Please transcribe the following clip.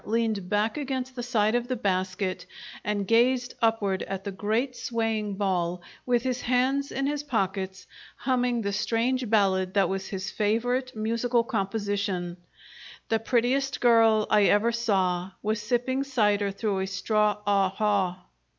leaned back against the side of the basket and gazed upward at the great swaying ball, with his hands in his pockets, humming the strange ballad that was his favourite musical composition: "The prettiest girl I ever saw Was sipping cider through a straw aw haw!"